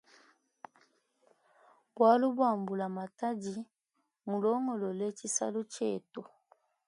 Bwalu bwa mbula matadi mulongolole tshisalu tshietu.